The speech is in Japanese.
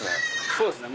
そうですね。